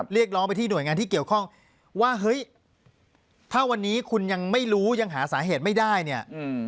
เรียกร้องไปที่หน่วยงานที่เกี่ยวข้องว่าเฮ้ยถ้าวันนี้คุณยังไม่รู้ยังหาสาเหตุไม่ได้เนี่ย